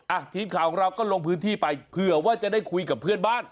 ทีมข่าวของเราก็ลงพื้นที่ไปเผื่อว่าจะได้คุยกับเพื่อนบ้าน